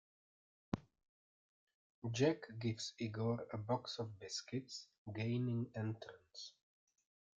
Jack gives Igor a box of biscuits, gaining entrance.